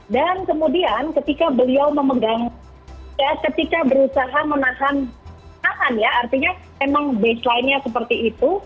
dan kemudian ketika beliau memegang ketika berusaha menahan artinya memang baseline nya seperti itu